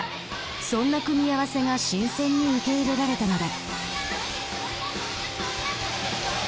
そんな組み合わせが新鮮に受け入れられたのだ。